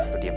lo diem ya